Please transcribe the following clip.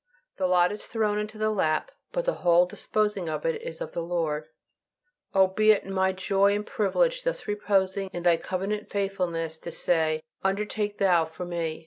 The lot is thrown into the lap, but the whole disposing of it is of the Lord; O, be it my joy and privilege, thus reposing in Thy covenant faithfulness, to say, "Undertake Thou for me."